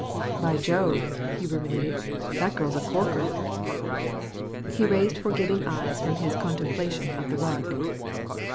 "By Jove," he ruminated, "that girl's a corker!" He raised forgiving eyes from his contemplation of the rug.